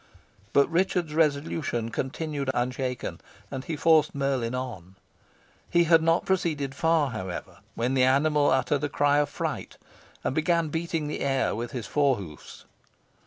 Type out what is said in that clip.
But Richard's resolution continued unshaken, and he forced Merlin on. He had not proceeded far, however, when the animal uttered a cry of fright, and began beating the air with his fore hoofs.